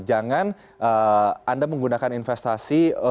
jangan anda menggunakan investasi